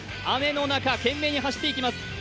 雨の中、懸命に走っていきます。